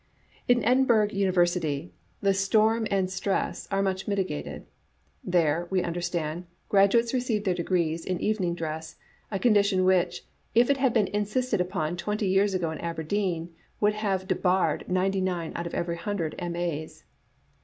In Edinburgh University the storm and stress are much mitigated. There, we understand, graduates re ceive their degrees in evening dress, a condition which, if it had been insisted upon twenty years ago in Aber deen, would have debarred ninety nine out of every hundred M.A.'s.